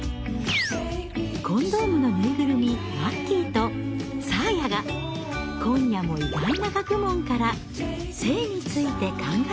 コンドームのぬいぐるみまっきぃとサーヤが今夜も意外な学問から性について考えていきます。